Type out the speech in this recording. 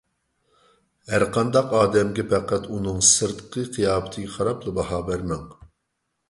ھەر قانداق ئادەمگە پەقەت ئۇنىڭ سىرتقى قىياپىتىگە قاراپلا باھا بەرمەڭ.